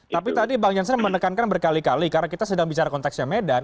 tapi tadi bang jansen menekankan berkali kali karena kita sedang bicara konteksnya medan